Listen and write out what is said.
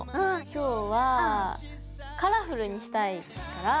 今日はカラフルにしたいから。